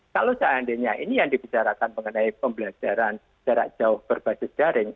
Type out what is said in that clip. kalau seandainya ini yang dibicarakan mengenai pembelajaran jarak jauh berbasis daring